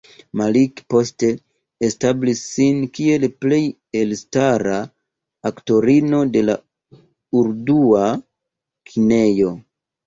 Malik poste establis sin kiel plej elstara aktorino de la urdua kinejo.